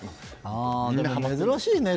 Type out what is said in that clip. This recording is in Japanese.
珍しいね。